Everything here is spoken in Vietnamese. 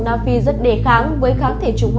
đặc biệt một mươi năm đột biến tại vùng gắn kết thủ thể